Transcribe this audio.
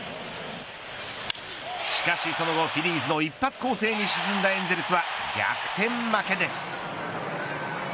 しかしその後、フィリーズの一発攻勢に沈んだエンゼルスは逆転負けです。